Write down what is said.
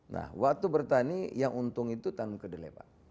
nah waktu bertani yang untung itu tanam kode lewat